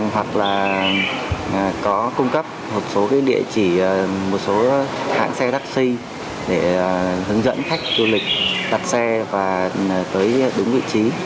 hoặc là có cung cấp một số địa chỉ một số hãng xe taxi để hướng dẫn khách du lịch đặt xe và tới đúng vị trí